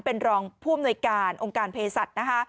เป็นรองผู้อำนวยการองค์การเพศสัตว์นะคะ